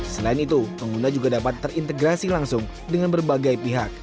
selain itu pengguna juga dapat terintegrasi langsung dengan berbagai pihak